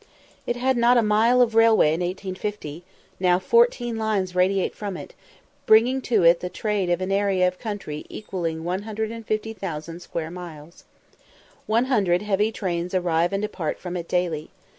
] It had not a mile of railway in 1850; now fourteen lines radiate from it, bringing to it the trade of an area of country equalling 150,000 square miles. One hundred heavy trains arrive and depart from it daily.